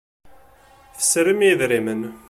Tesrim i yedrimen.